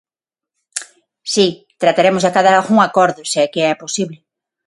Si, trataremos de acadar algún acordo, se é que é posible.